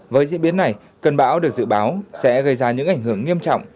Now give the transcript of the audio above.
với diễn biến này cơn bão được dự báo sẽ gây ra những ảnh hưởng nghiêm trọng